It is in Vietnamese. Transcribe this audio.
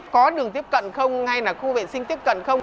có đường tiếp cận không hay là khu vệ sinh tiếp cận không